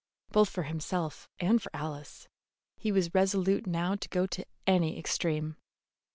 Both for himself and for Alice, he was resolute now to go to any extreme.